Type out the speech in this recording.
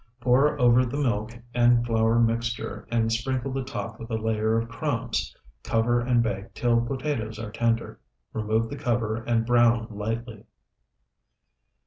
Pour over the milk and flour mixture, and sprinkle the top with a layer of crumbs. Cover and bake till potatoes are tender. Remove the cover and brown lightly.